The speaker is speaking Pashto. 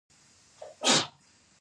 د بادرنګ پوستکی د څه لپاره وکاروم؟